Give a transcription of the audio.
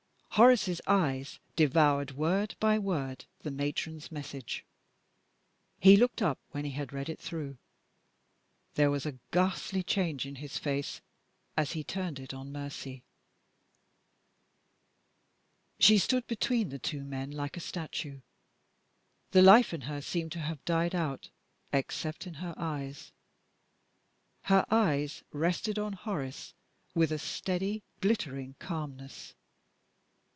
Horace's eyes devoured, word by word, the Matron's message. He looked up when he had read it through. There was a ghastly change in his face as he turned it on Mercy. She stood between the two men like a statue. The life in her seemed to have died out, except in her eyes. Her eyes rested on Horace with a steady, glittering calmness.